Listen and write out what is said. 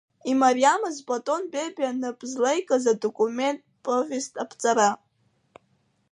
Имариамызт Платон Бебиа напы злаикыз адокументтә повест аԥҵара.